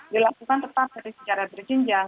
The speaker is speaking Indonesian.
dilakukan tetap dari sejarah berjenjang